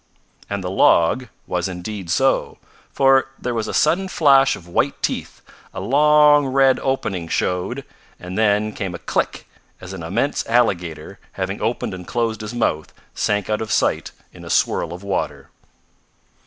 And the "log" was indeed so, for there was a sudden flash of white teeth, a long red opening showed, and then came a click as an immense alligator, having opened and closed his mouth, sank out of sight in a swirl of water.